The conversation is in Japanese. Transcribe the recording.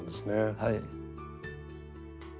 はい。